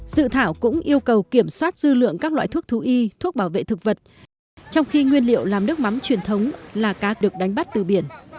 dự thảo cũng yêu cầu kiểm soát dư lượng các loại thuốc thú y thuốc bảo vệ thực vật trong khi nguyên liệu làm nước mắm truyền thống là cá được đánh bắt từ biển